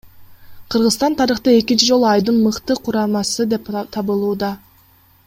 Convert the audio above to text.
Кыргызстан тарыхта экинчи жолу айдын мыкты курамасы деп табылууда.